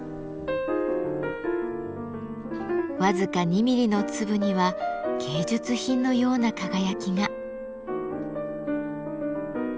僅か２ミリの粒には芸術品のような輝きが。